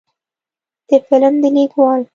د فلم د لیکوال